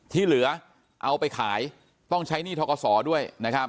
ที่เหลือเอาไปขายต้องใช้หนี้ทะกะสอด้วย